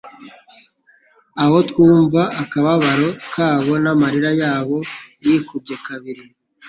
aho twumva akababaro kabo n'amarira yabo yikubye kabiri